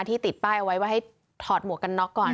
ที่ติดป้ายเอาไว้ว่าให้ถอดหมวกกันน็อกก่อน